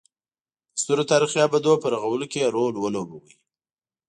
د سترو تاریخي ابدو په رغولو کې یې رول ولوباوه.